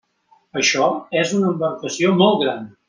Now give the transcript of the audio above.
Això és una embarcació molt gran.